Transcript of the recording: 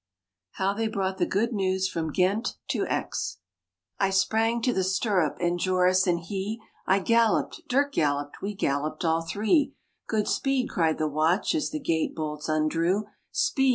HOW THEY BROUGHT THE GOOD NEWS FROM GHENT TO AIX I sprang to the stirrup, and Joris, and he; I galloped, Dirck galloped, we galloped all three; "Good speed!" cried the watch, as the gate bolts undrew; "Speed!"